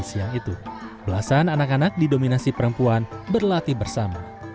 siang itu belasan anak anak didominasi perempuan berlatih bersama